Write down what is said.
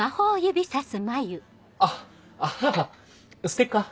あっあぁステッカー？